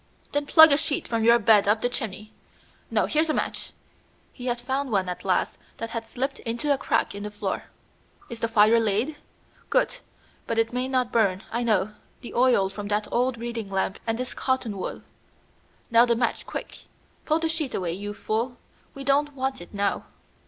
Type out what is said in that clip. "Then plug a sheet from your bed up the chimney. No, here's a match." He had found one at last that had slipped into a crack in the floor. "Is the fire laid? Good, but it may not burn. I know the oil from that old reading lamp and this cotton wool. Now the match, quick! Pull the sheet away, you fool! We don't want it now."